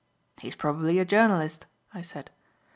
"He is probably a journalist," I said.